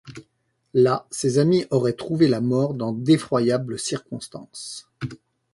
Là, ses amis auraient trouvé la mort dans d'effroyables circonstances.